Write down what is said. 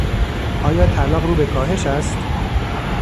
آیا طلاق رو به کاهش است؟